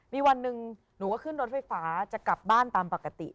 มีวันหนึ่งหนูก็ขึ้นรถไฟฟ้าจะกลับบ้านตามปกติ